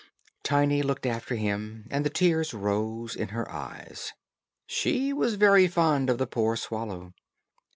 Tiny looked after him, and the tears rose in her eyes. She was very fond of the poor swallow.